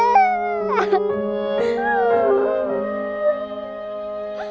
แม่จ๋า